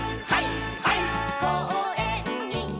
「こうえんに」